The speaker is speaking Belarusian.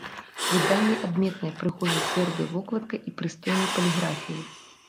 Выданне адметнае прыгожай цвёрдай вокладкай і прыстойнай паліграфіяй.